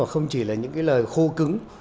không chỉ là những cái lời khô cứng